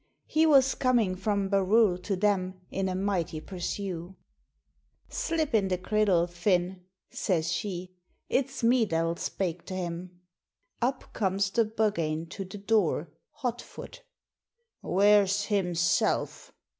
He was coming from Barrule to them, in a mighty pursue. 'Slip in the criddle, Finn,' says she. 'It's me that'll spake to him.' Up comes the Buggane to the door, hot foot. 'Where's Himself?'